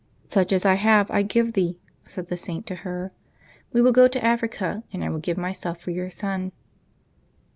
" Such as I have I give thee,'^ said the Saint to her; *^we will go to Africa, and I, will give myself for your son.''